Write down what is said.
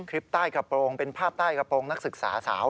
ใต้กระโปรงเป็นภาพใต้กระโปรงนักศึกษาสาว